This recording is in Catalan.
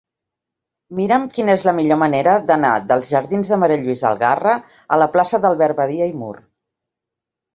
Mira'm quina és la millor manera d'anar dels jardins de Ma. Lluïsa Algarra a la plaça d'Albert Badia i Mur.